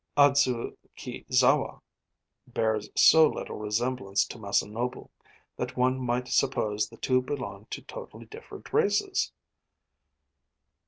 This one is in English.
Adzukizawa bears so little resemblance to Masanobu that one might suppose the two belonged to totally different races.